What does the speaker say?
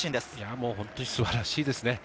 もう本当に素晴らしいですね。